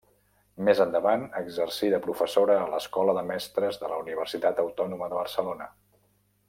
Més endavant exercí de professora a l'Escola de Mestres de la Universitat Autònoma de Barcelona.